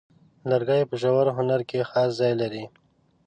لرګی په ژور هنر کې خاص ځای لري.